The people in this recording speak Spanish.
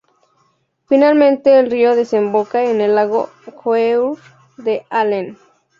Finalmente el río desemboca en el lago Coeur d'Alene.